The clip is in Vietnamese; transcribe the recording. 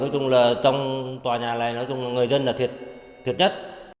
trong tòa nhà này người dân là thiệt nhất